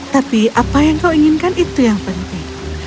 tapi apa yang kau inginkan itu yang penting